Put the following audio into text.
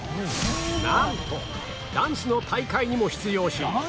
なんと男子の大会にも出場し